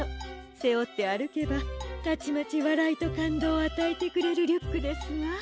せおってあるけばたちまちわらいとかんどうをあたえてくれるリュックですわ。